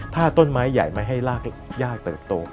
ถ้าต้นไม้ใหญ่ไม่ให้รากยากเติบโต